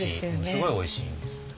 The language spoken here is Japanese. すごいおいしいです。